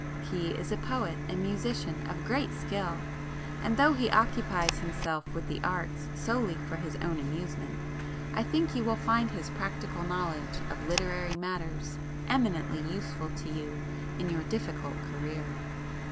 He is a poet and musician of great skill, and though he occupies himself with the arts solely for his own amusement, I think you will find his practical knowledge of literary matters eminently useful to you in your difficult career.